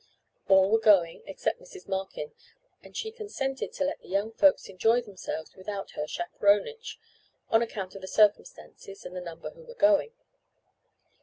All were going except Mrs. Markin, and she consented to let the young folks enjoy themselves without her chaperonage, on account of the circumstances and the number who were going.